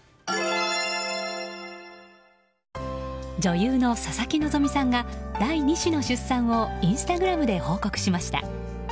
女優の佐々木希さんが第２子の出産をインスタグラムで報告しました。